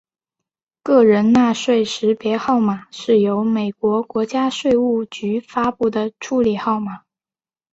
个人纳税识别号码是由美国国家税务局发布的处理号码。